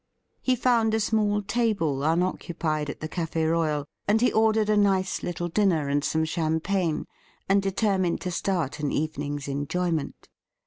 He found a small table unoccupied at the Cafe Royal, and he ordered a nice little dinner and some champagne, and determined to start an evening's enjoyment.